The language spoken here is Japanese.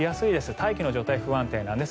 大気の状態不安定なんです。